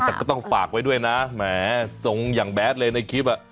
แต่ก็ต้องฝากไว้ด้วยนะแหมทรงอย่างแบดเลยในคลิป